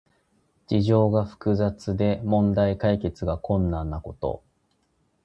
事情が複雑で問題解決が困難なこと。